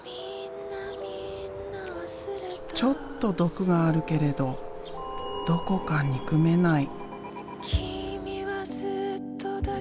ちょっと毒があるけれどどこか憎めない。